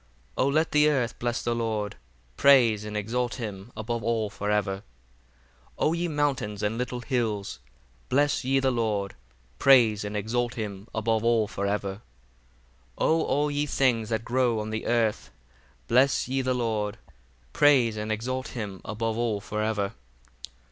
52 O let the earth bless the Lord: praise and exalt him above all for ever. 53 O ye mountains and little hills, bless ye the Lord: praise and exalt him above all for ever. 54 O all ye things that grow on the earth, bless ye the Lord: praise and exalt him above all for ever.